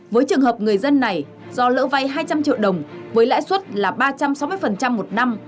với trường hợp người dân này do lỡ vay hai trăm linh triệu đồng với lãi suất là ba trăm sáu mươi một năm